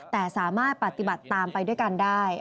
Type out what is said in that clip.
แต่สามารถปฏิบัติตามไปด้วยกันได้